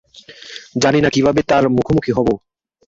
জানি না কীভাবে তার মুখোমুখি হবো।